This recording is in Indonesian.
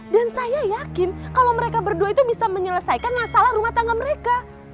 saya yakin kalau mereka berdua itu bisa menyelesaikan masalah rumah tangga mereka